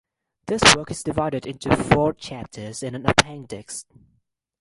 This work is divided into four chapters and an appendix.